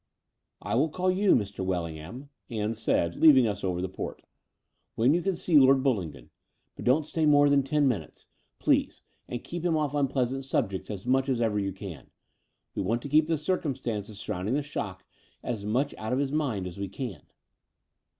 *'I will call you, Mr. Wellingham," Ann said, leaving us over the port, ''when you can see Lord Bullingdon; but don't stay more than ten minutes, please, and keep him off unpleasant subjects as much as ever you can. We want to keep the circumstances surrotmding the shock as much out of his mind as we can.'